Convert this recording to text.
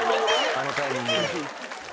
あのタイミングで。